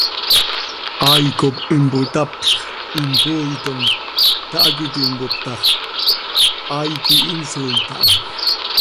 Hai cop impotapzx, impooitom, tahac iti mpoop ta x, hai quih insooit aha.